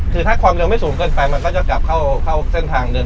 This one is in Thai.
คือถ้าความเร็วไม่สูงเกินไปมันก็จะกลับเข้าเส้นทางเดิน